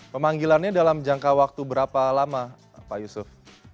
pemanggilannya dalam jangka waktu berapa lama pak yusuf